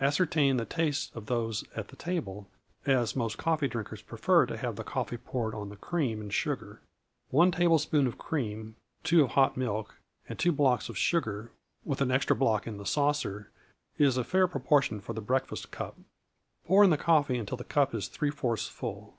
Ascertain the tastes of those at the table, as most coffee drinkers prefer to have the coffee poured on the cream and sugar. One tablespoonful of cream, two of hot milk, and two blocks of sugar, with an extra block in the saucer, is a fair proportion for a breakfast cup. Pour in the coffee until the cup is three fourths full.